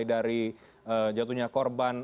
dari jatuhnya korban